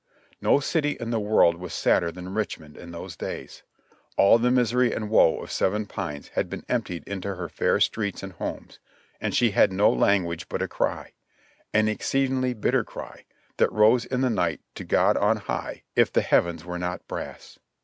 No city in the world was sadder than Richmond in those days ; all the misery and woe of Seven Pines had been emptied into her fair streets and homes, and she had "no language but a cry" — an exceedingly bitter cry, that rose in the night to God on High, if the heavens were not brass.